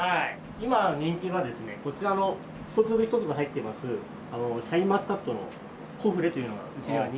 今人気はですねこちらの一粒一粒入ってますシャインマスカットのコフレというのがうちでは人気ですね。